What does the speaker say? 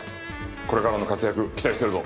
これからの活躍期待してるぞ。